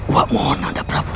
uap mohon anda prabu